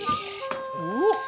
うわっ！